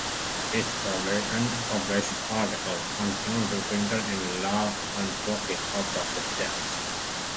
His unpublished articles continued to be printed in "La Antorcha" after his death.